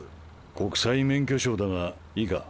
国際免許証だがいいか？